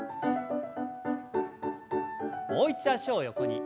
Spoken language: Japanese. もう一度脚を横に。